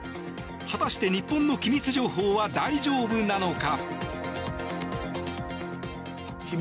果たして日本の機密情報は大丈夫なのか。